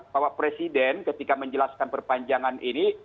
bapak presiden ketika menjelaskan perpanjangan ini